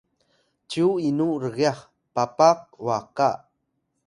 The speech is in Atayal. cyu inu rgyax Papakwaka?